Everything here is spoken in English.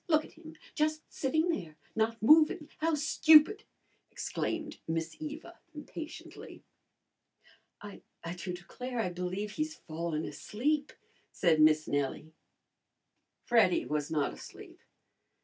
Look at him! Just sitting there not moving. How stupid!" exclaimed Miss Eva impatiently. "I do declare, I believe he's fallen asleep," said Miss Nellie. Freddy was not asleep.